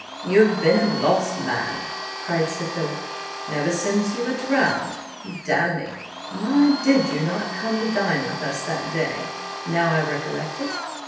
you have been a lost man," cried Sir Philip, "ever since you were drowned. Damme, why did not you come to dine with us that day, now I recollect it?